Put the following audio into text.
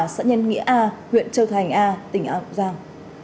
xã nhân nghĩa a huyện châu thành a tỉnh giang